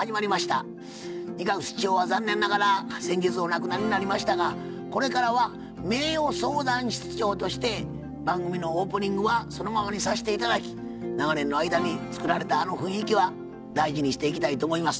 仁鶴室長は残念ながら先日お亡くなりになりましたがこれからは名誉相談室長として番組のオープニングはそのままにさせて頂き長年の間に作られたあの雰囲気は大事にしていきたいと思います。